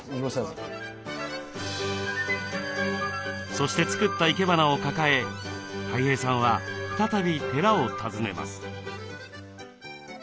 そして作った生け花を抱えたい平さんは再び寺を訪ねます。